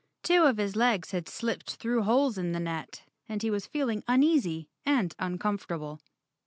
Two of his legs had slipped through holes in the net and he was feeling uneasy and uncomfort¬ able.